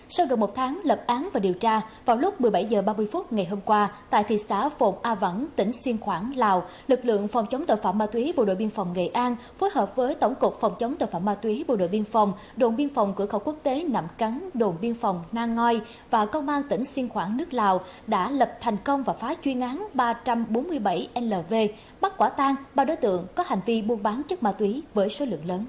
sau gần một tháng lập án và điều tra vào lúc một mươi bảy h ba mươi phút ngày hôm qua tại thị xã phộng a vẳng tỉnh xiên khoảng lào lực lượng phòng chống tội phạm ma túy bộ đội biên phòng nghệ an phối hợp với tổng cục phòng chống tội phạm ma túy bộ đội biên phòng đồn biên phòng cửa khẩu quốc tế nạm cắn đồn biên phòng nga ngoi và công an tỉnh xiên khoảng nước lào đã lập thành công và phá chuyên án ba trăm bốn mươi bảy lv bắt quả tan ba đối tượng có hành vi buôn bán chất ma túy với số một